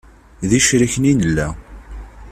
D icriken i nella.